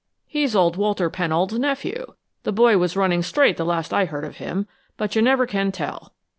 He's old Walter Pennold's nephew. The boy was running straight the last I heard of him, but you never can tell.